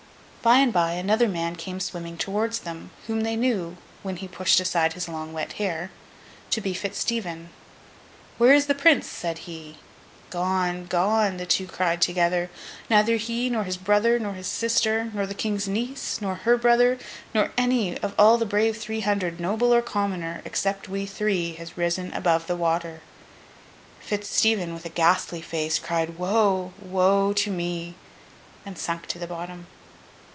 By and by, another man came swimming towards them, whom they knew, when he pushed aside his long wet hair, to be Fitz Stephen. 'Where is the Prince?' said he. 'Gone! Gone!' the two cried together. 'Neither he, nor his brother, nor his sister, nor the King's niece, nor her brother, nor any one of all the brave three hundred, noble or commoner, except we three, has risen above the water!' Fitz Stephen, with a ghastly face, cried, 'Woe! woe, to me!' and sunk to the bottom.